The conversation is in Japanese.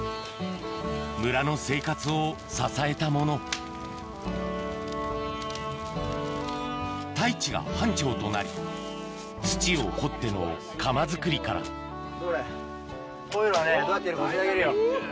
村の生活を支えたもの太一が班長となり土を掘っての窯作りからこういうのはねどうやってやるか教えてあげるよ。